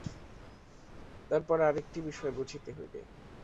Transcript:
তারপর আর একটি বিষয় বুঝিতে হইবে।